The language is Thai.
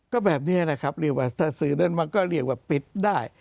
ก็แบบนี้นะครับเรียกว่าศาสตร์ศึกษ์นั้นมันก็เรียกว่าปิดได้